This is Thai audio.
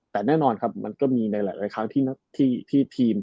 แต่แน่นอนครับมันก็มีในหลายครั้งที่ทีม